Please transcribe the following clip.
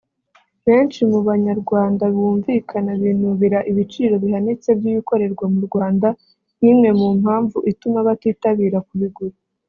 Benshi mu Banyarwanda bumvikana binubira ibiciro bihanitse by’ibikorerwa mu Rwanda nk’imwe mu mpamvu ituma batitabira kubigura